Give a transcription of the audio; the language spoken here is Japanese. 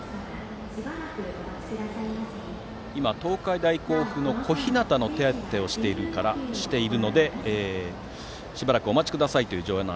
東海大甲府の小日向の手当てをしているのでしばらくお待ちくださいという場内